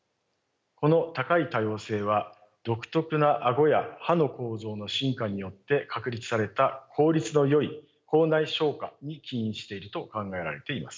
この高い多様性は独特な顎や歯の構造の進化によって確立された効率のよい口内消化に起因していると考えられています。